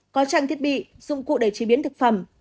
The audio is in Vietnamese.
có trang thiết bị dụng cụ để chế biến thực phẩm